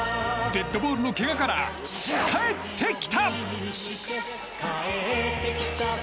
デッドボールのけがから帰ってきた！